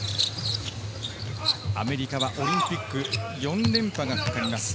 アメリカはオリンピック４連覇がかかります。